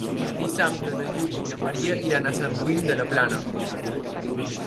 Dissabte na Júlia i na Maria iran a Sant Guim de la Plana.